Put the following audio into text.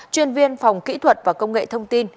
chuyên viên phòng kỹ thuật và công nghệ thông tin